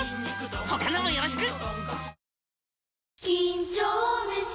他のもよろしく！